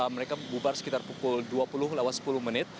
mereka bubar sekitar pukul dua puluh lewat sepuluh menit